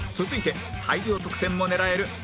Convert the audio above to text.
続いて大量得点も狙える